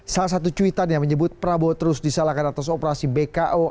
salah satu cuitan yang menyebut prabowo terus disalahkan atas operasi bko